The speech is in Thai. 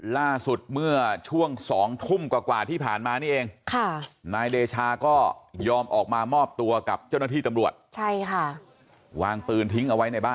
ล่าสุดเมื่อช่วง๒ทุ่มกว่าที่ผ่านมานี่เอง